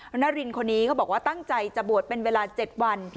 นารินคนนี้เขาบอกว่าตั้งใจจะบวชเป็นเวลา๗วัน